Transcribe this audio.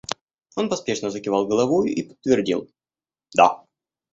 Он поспешно закивал головою и подтвердил: — Да.